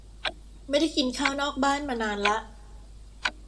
ไม่ได้กินข้าวนอกบ้านมานานละ